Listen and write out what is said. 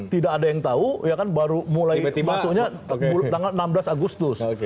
tidak ada yang tahu ya kan baru mulai masuknya tanggal enam belas agustus